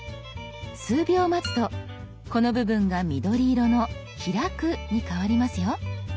数秒待つとこの部分が緑色の「開く」に変わりますよ。